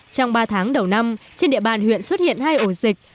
trong ba tháng đầu năm trên địa bàn huyện xuất hiện hai ổ dịch